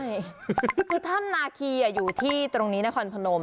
คือธรรมนาคีอยู่ที่ตรงนี้นะคอนพนม